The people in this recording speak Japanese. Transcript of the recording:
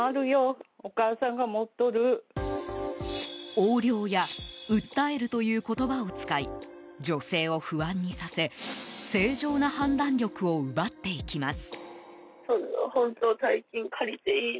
横領や訴えるという言葉を使い女性を不安にさせ正常な判断力を奪っていきます。